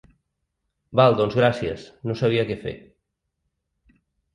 Val doncs gràcies, no sabia que fer.